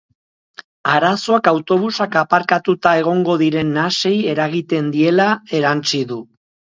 Arazoak autobusak aparkatuta egongo diren nasei eragiten diela erantsi du.